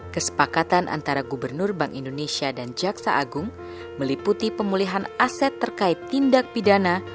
kesepakatan antara gubernur bank indonesia dan jaksa agung meliputi pemulihan aset terkait tindak pidana